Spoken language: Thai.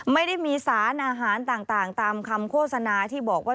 ไม่ได้มีสารอาหารต่างตามคำโฆษณาที่บอกว่า